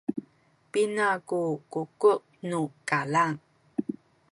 pina ku kuku’ nu kalang?